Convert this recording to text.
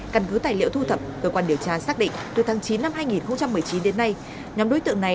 căn cứ tài liệu thu thập cơ quan điều tra xác định từ tháng chín năm hai nghìn một mươi chín đến nay